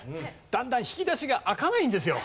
だんだん引き出しが開かないんですよ。